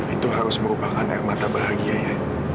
itu harus merupakan air mata bahagianya